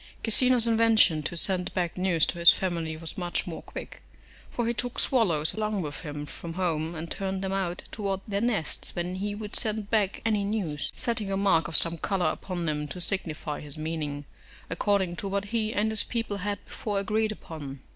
Cecina's invention to send back news to his family was much more quick, for he took swallows along with him from home, and turned them out towards their nests when he would send back any news; setting a mark of some colour upon them to signify his meaning, according to what he and his people had before agreed upon.